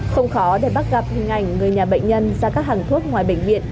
không khó để bắt gặp hình ảnh người nhà bệnh nhân ra các hàng thuốc ngoài bệnh viện